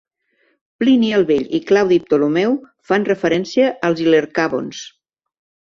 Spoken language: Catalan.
Plini el Vell i Claudi Ptolemeu fan referència als ilercavons.